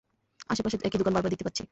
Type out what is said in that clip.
আশেপাশে একই দোকান বারবার দেখতে পাচ্ছি।